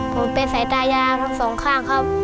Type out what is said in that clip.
ผมเป็นสายตายาทั้งสองข้างครับ